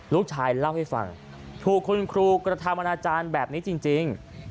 ลูกชายเล่าให้ฟังถูกคุณครูกระทำอนาจารย์แบบนี้จริง